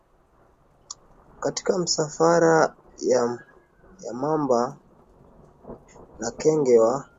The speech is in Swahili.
katika misafara ya ya mamba na kenge wa